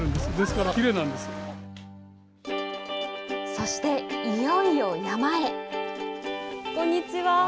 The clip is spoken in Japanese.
そしていよいよ山へ。